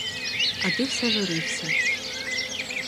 А ти все журився.